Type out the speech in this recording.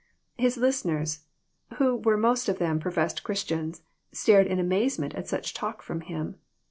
His listeners, who were most of them professed Christians, stared in amazement at such talk from him.